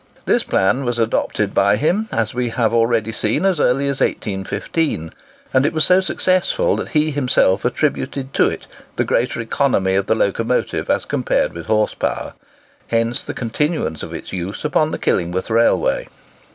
This plan was adopted by him, as we have already seen, as early as 1815; and it was so successful that he himself attributed to it the greater economy of the locomotive as compared with horse power. Hence the continuance of its use upon the Killingworth Railway.